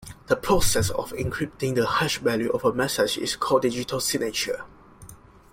The process of encrypting the hash value of a message is called digital signature.